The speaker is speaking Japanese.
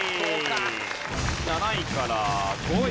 ７位から５位。